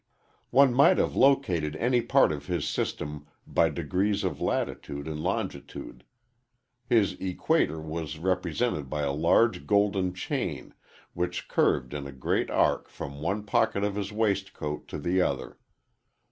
One might have located any part of his system by degrees of latitude and longitude. His equator was represented by a large golden chain which curved in a great arc from one pocket of his waistcoat to the other.